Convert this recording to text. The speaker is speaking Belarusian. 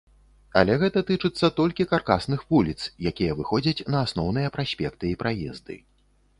Але гэта тычыцца толькі каркасных вуліц, якія выходзяць на асноўныя праспекты і праезды.